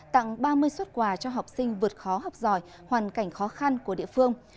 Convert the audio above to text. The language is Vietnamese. tặng ba mươi xuất quà cho học sinh vượt khó học giỏi hoàn cảnh khó khăn của địa phương